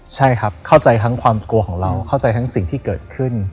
ใช่ครับเข้าใจทั้งความกลัวของเราเข้าใจทั้งสิ่งที่เกิดขึ้น